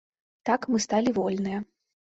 Так мы сталі вольныя.